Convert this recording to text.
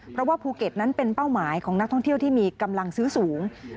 เพราะว่าภูเก็ตนั้นเป็นเป้าหมายของนักท่องเที่ยวที่มีกำลังซื้อสูง